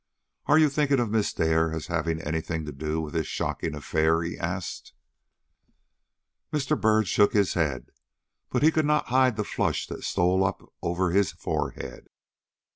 "Are you thinking of Miss Dare as having any thing to do with this shocking affair?" he asked. Mr. Byrd shook his head, but could not hide the flush that stole up over his forehead.